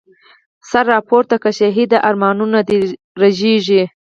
سر را پورته که شهیده، ارمانونه د رږیږی